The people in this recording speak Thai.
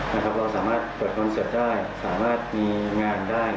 เราสามารถเปิดคอนเซ็ปต์ได้สามารถมีงานได้